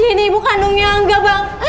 ayah ini ibu kandungnya angga bang